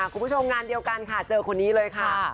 คุณผู้ชมงานเดียวกันค่ะเจอคนนี้เลยค่ะ